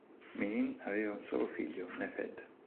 Minin aveva un solo figlio, Nefёd.